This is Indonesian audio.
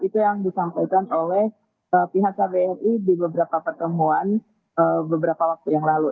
itu yang disampaikan oleh pihak kbri di beberapa pertemuan beberapa waktu yang lalu